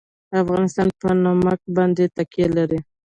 افغانستان په نمک باندې تکیه لري.